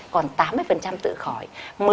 còn tám mươi tự khỏi